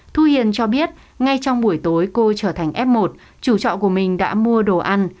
thu hiền cho biết ngay trong buổi tối cô trở thành f một chủ trọ của mình đã mua đồ ăn